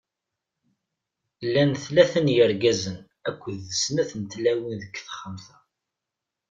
Llan tlata n yirgazen akked d snat n tlawin deg texxamt-a.